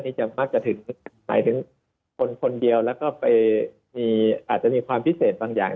นี่จะมากกระจายถึงคนเดียวแล้วก็อาจจะมีความพิเศษบางอย่าง